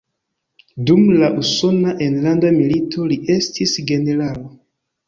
Dum la Usona Enlanda Milito li estis generalo.